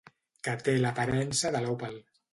Que té l'aparença de l'òpal.